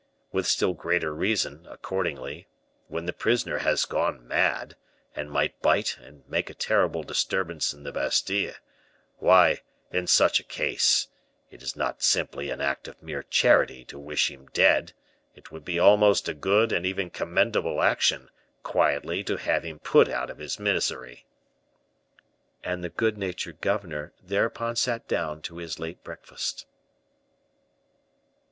With still greater reason, accordingly, when the prisoner has gone mad, and might bite and make a terrible disturbance in the Bastile; why, in such a case, it is not simply an act of mere charity to wish him dead; it would be almost a good and even commendable action, quietly to have him put out of his misery." And the good natured governor thereupon sat down to his late breakfast.